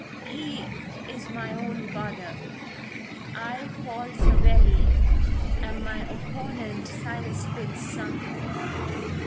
He is my own father; I, Paul Savelli, am my opponent, Silas Finn's son."